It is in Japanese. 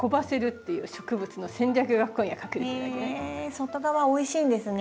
外側おいしいんですね？